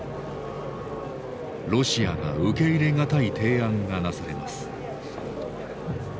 ロシアが受け入れ難い提案がなされます。